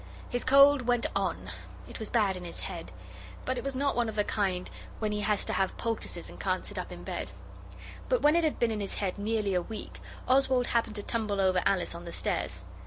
His cold went on it was bad in his head, but it was not one of the kind when he has to have poultices and can't sit up in bed. But when it had been in his head nearly a week, Oswald happened to tumble over Alice on the stairs.